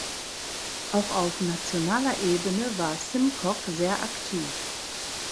Auch auf nationaler Ebene war Simcock sehr aktiv.